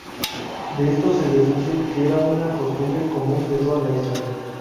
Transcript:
De esto se deduce que era una costumbre común de toda la isla.